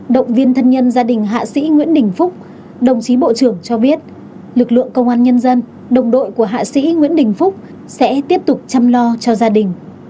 đồng chí bộ trưởng cho biết lực lượng công an nhân dân đồng đội của hạ sĩ nguyễn đình phúc sẽ tiếp tục chăm lo cho gia đình